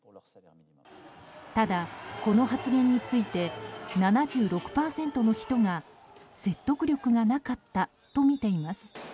ただ、この発言について７６％の人が説得力がなかったとみています。